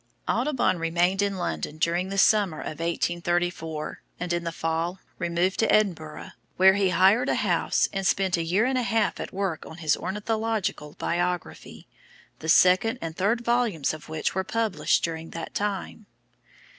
Audubon remained in London during the summer of 1834, and in the fall removed to Edinburgh, where he hired a house and spent a year and a half at work on his "Ornithological Biography," the second and third volumes of which were published during that time.